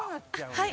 はい。